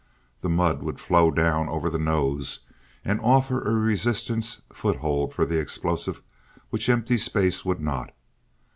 The mud would flow down over the nose and offer a resistance foot hold for the explosive which empty space would not.